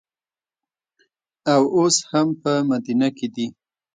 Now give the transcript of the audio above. او اوس هم په مدینه کې دي.